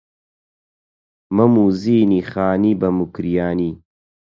مەم و زینی خانی بە موکریانی